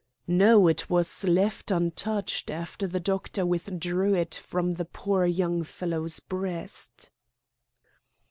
"No, it was left untouched after the doctor withdrew it from the poor young fellow's breast."